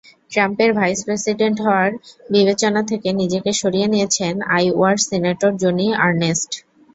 ট্রাম্পের vice president হওয়ার বিবেচনা থেকে নিজেকে সরিয়ে নিয়েছেন আইওয়ার সিনেটর জোনি আর্নেস্ট।